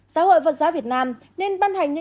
giáo hội vật giáo việt nam nên ban hành